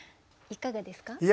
いかがですか？